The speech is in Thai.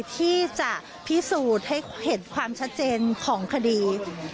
ที่จะพิสูจน์ให้เห็นความชัดเจนของคดี